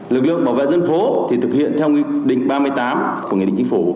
lực lượng bảo vệ dân phố thì thực hiện theo nghị định ba mươi tám của nghị định chính phủ